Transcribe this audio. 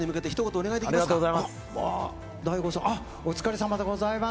お疲れさまでございます。